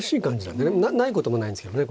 ないこともないんですけどね